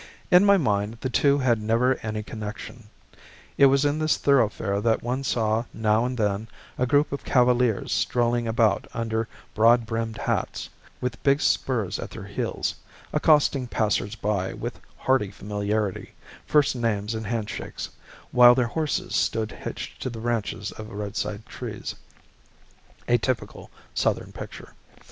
In my mind the two had never any connection. It was in this thoroughfare that one saw now and then a group of cavaliers strolling about under broad brimmed hats, with big spurs at their heels, accosting passers by with hearty familiarity, first names and hand shakes, while their horses stood hitched to the branches of roadside trees, a typical Southern picture.